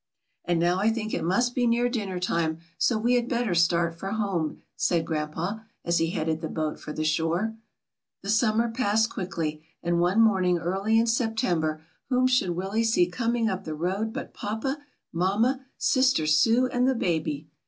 "And now I think it must be near dinner time, so we had better start for home,'^ said grandpa, as he headed the boat for the shore. The summer passed quickly, and one morning early in September whom should Willie see coming up the road but papa, mamma, sister Sue, and the baby!